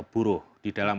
buruh di dalam